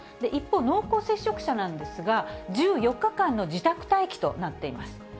一方、濃厚接触者なんですが、１４日間の自宅待機となっています。